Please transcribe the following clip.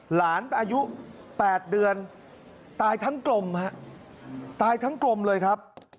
หลานอายุ๘เดือนตายทั้งกลมฮะตายทั้งกลมเลยครับ